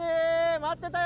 待ってたよ！